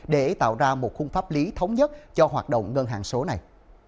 để tạo ra một khung pháp lý thống nhất cho hoạt động ngân hàng số này